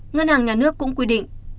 ngân hàng nhà nước cũng quy định